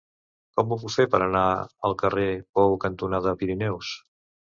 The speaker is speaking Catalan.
Com ho puc fer per anar al carrer Pou cantonada Pirineus?